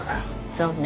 そうね。